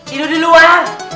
idu di luar